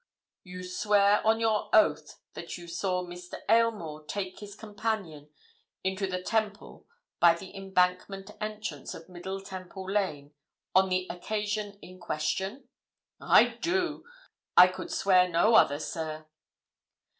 "You swear on your oath that you saw Mr. Aylmore take his companion into the Temple by the Embankment entrance of Middle Temple Lane on the occasion in question?" "I do! I could swear no other, sir."